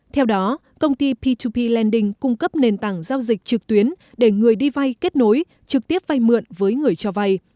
theo đó công ty p hai p lending cung cấp nền tảng giao dịch trực tuyến để người đi vay kết nối trực tiếp vay mượn với người cho vay